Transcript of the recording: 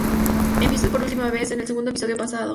Es visto por última vez en el segundo episodio pasado.